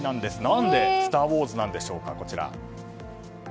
何で「スター・ウォーズ」なんでしょうか。